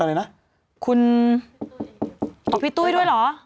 เป็นพิธีกร